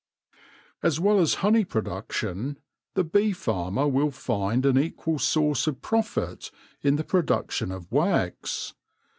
As well as honey production, the bee farmer will find an equal source of profit in the production of wax.